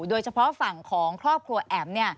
โดยเฉพาะฝั่งของครอบครัวแอ๋ม